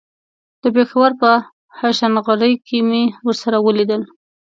د پېښور په هشنغرۍ کې مې ورسره وليدل.